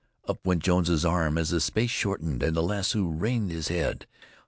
Up went Jones's arm as the space shortened, and the lasso ringed his head.